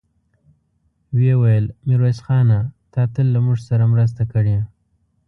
ويې ويل: ميرويس خانه! تا تل له موږ سره مرسته کړې.